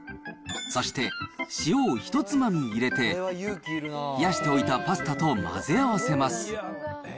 そして、塩をひとつまみ入れて、冷やしておいたパスタと混ぜ合わせます。